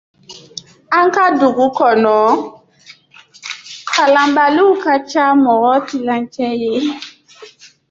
- An ka dugu kɔnɔ, kalanbaliw ka ca mɔgɔw tilancɛ ye.